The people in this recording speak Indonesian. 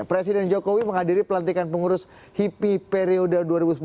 presiden jokowi menghadiri pelantikan pengurus hipi periode dua ribu sembilan belas dua ribu dua puluh